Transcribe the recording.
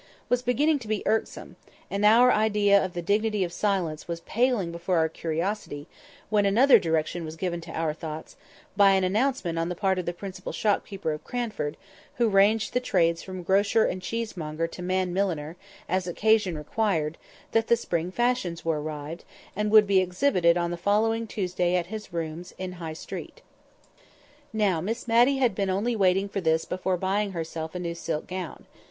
—was beginning to be irksome, and our idea of the dignity of silence was paling before our curiosity, when another direction was given to our thoughts, by an announcement on the part of the principal shopkeeper of Cranford, who ranged the trades from grocer and cheesemonger to man milliner, as occasion required, that the spring fashions were arrived, and would be exhibited on the following Tuesday at his rooms in High Street. Now Miss Matty had been only waiting for this before buying herself a new silk gown.